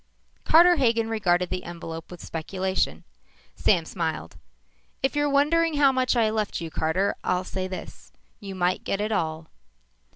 Carter Hagen regarded the envelope with speculation. Sam smiled. "If you're wondering how much I left you, Carter, I'll say this: You might get it all."